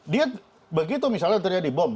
dia begitu misalnya terjadi bom